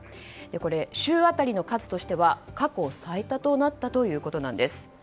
これ、週当たりの数としては過去最多となったということです。